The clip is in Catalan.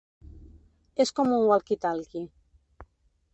És com un walkie-talkie.